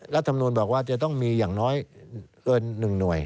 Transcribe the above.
รัฐธรรมนูญบอกว่าจะต้องมีอย่างน้อยเกินหนึ่งหน่วย